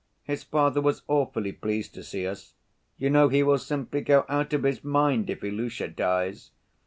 His father was awfully pleased to see us. You know he will simply go out of his mind if Ilusha dies.